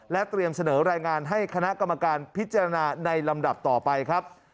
เตรียมเสนอรายงานให้คณะกรรมการพิจารณาในลำดับต่อไปครับ